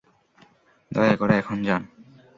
দয়া করে এখন যান।